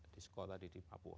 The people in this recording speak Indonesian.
di sekolah di papua